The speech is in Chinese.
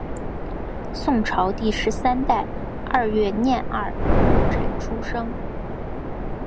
宋朝第十三代二月廿二戊辰出生。